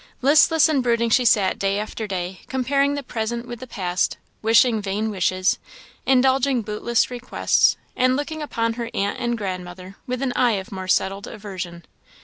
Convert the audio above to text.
Listless and brooding, she sat, day after day, comparing the present with the past, wishing vain wishes, indulging bootless regrets, and looking upon her aunt and grandmother with an eye of more settled aversion.